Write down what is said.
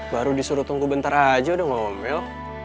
baru disuruh tunggu bentar aja udah maumel